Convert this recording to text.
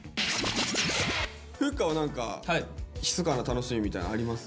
フッカは何かひそかな楽しみみたいなのあります？